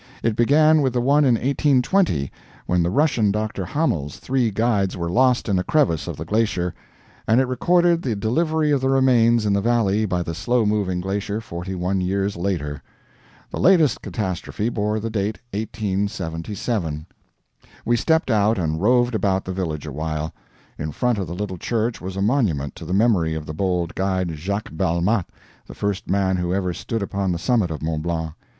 It began with the one in 1820 when the Russian Dr. Hamel's three guides were lost in a crevice of the glacier, and it recorded the delivery of the remains in the valley by the slow moving glacier forty one years later. The latest catastrophe bore the date 1877. We stepped out and roved about the village awhile. In front of the little church was a monument to the memory of the bold guide Jacques Balmat, the first man who ever stood upon the summit of Mont Blanc.